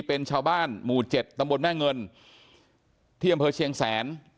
เป็นชาวบ้านหมู่๗ตำบลแม่เงินที่อำเภอเชียงแสน